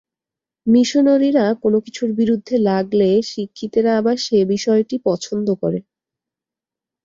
মিশনরীরা কোন কিছুর বিরুদ্ধে লাগলে শিক্ষিতেরা আবার সে বিষয়টি পছন্দ করে।